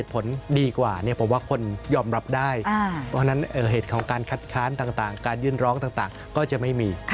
เพราะฉะนั้นเหตุของการคัดค้านต่างการยื่นร้องต่างก็จะไม่มี